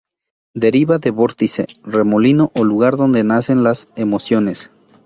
Deriva de vórtice, remolino o lugar donde nacen las emociones.